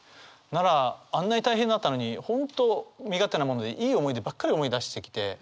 ならあんなに大変だったのに本当身勝手なものでいい思い出ばっかり思い出してきて。